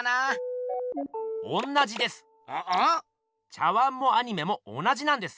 茶碗もアニメも同じなんです。